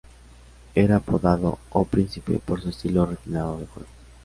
Era apodado "O Príncipe" por su estilo refinado de juego.